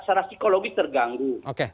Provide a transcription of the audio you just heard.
secara psikologis terganggu